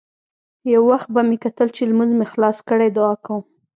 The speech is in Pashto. يو وخت به مې کتل چې لمونځ مې خلاص کړى دعا کوم.